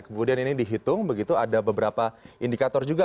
kemudian ini dihitung begitu ada beberapa indikator juga